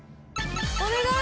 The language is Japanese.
お願い。